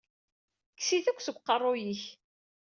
Kkes-itt akk seg uqeṛṛu-yik!